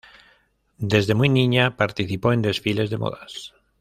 Desde muy niña participó en desfiles de modas.